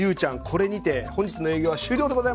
これにて本日の営業は終了でございます！